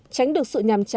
tránh được sự nhàm chán